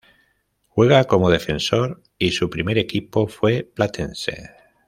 Juega como defensor y su primer equipo fue Platense.